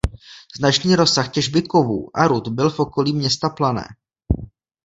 Značný rozsah těžby kovů a rud byl v oblasti města Plané.